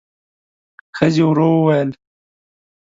ښځې ورو وویل: